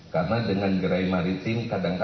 karena dengan gerai maritim kadangkala